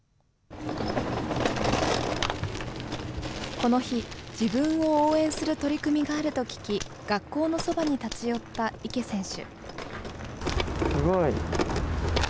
この日、自分を応援する取り組みがあると聞き、学校のそばに立ち寄った池選手。